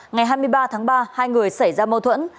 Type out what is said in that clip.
ngày hai mươi ba tháng ba hai người xảy ra mâu thuẫn